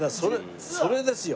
それですよ。